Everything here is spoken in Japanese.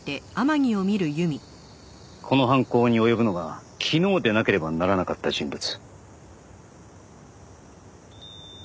この犯行に及ぶのが昨日でなければならなかった人物。